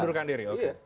mundurkan diri oke